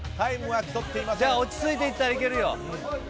落ち着いて行ったらいけるよ。